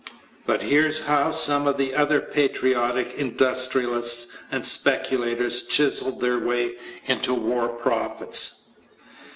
But here's how some of the other patriotic industrialists and speculators chiseled their way into war profits.